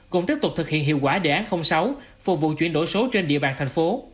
cùng tiếp tục thực hiện hiệu quả đề án sáu phục vụ chuyển đổi số trên địa bàn thành phố